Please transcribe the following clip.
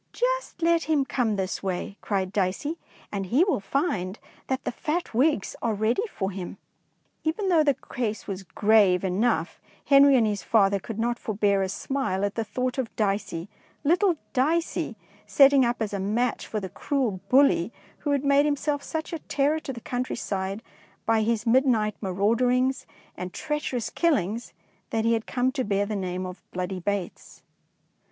" "Just let him come this way," cried Dicey, " and he will find that the fat Whigs are ready for him." Even though the case was grave 229 DEEDS OF DAKING enough, Henry and his father could not forbear a smile at the thought of Dicey, little Dicey, setting up as a match for the cruel bully who had made himself such a terror to the country side by his midnight maraud ings and treacherous killings that he had come to bear the name of Bloody Bates.